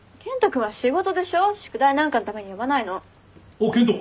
おっ健人。